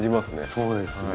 そうですね。